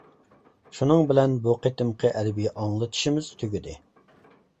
شۇنىڭ بىلەن بۇ قېتىمقى ئەدەبىي ئاڭلىتىشىمىز تۈگىدى.